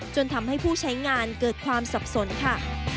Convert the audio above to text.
จนทำให้ผู้ใช้งานเกิดความสับสนค่ะ